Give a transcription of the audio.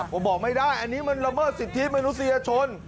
ผมบอกไม่ได้อันนี้มันละเมิดสิทธิมนุษยชน